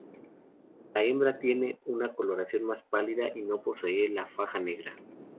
La hembra tiene una coloración más pálida y no posee la faja negra.